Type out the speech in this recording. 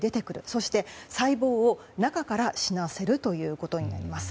そして細胞を中から死なせるということになります。